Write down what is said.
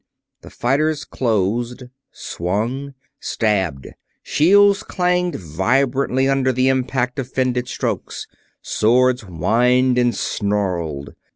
The fighters closed swung stabbed. Shields clanged vibrantly under the impact of fended strokes, swords whined and snarled.